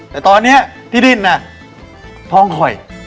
แต่ตอนนี้ที่ดิ้นน่ะพร้อมค่อย